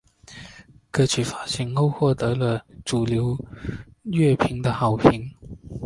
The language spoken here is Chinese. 歌曲发行后获得了主流乐评的好评。